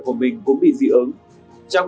của mình cũng bị dị ứng trong